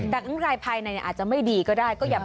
แต่คือรายภายในนี่อาจจะไม่ดีก็ได้